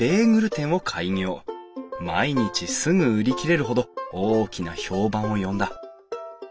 毎日すぐ売り切れるほど大きな評判を呼んだ。